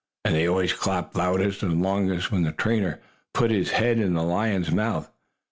And they always clapped loudest and longest when the trainer put his head in the lion's mouth.